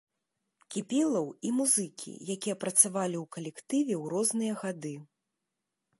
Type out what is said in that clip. Кіпелаў і музыкі, якія працавалі ў калектыве ў розныя гады.